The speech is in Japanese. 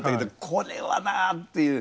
「これはな」っていう。